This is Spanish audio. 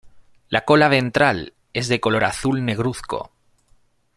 La cola ventral es de color azul negruzco.